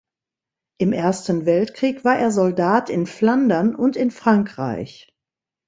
Im Ersten Weltkrieg war er Soldat in Flandern und in Frankreich.